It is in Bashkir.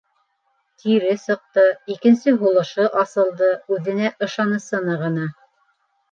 Тире сыҡты, икенсе һулышы асылды, үҙенә ышанысы нығыны.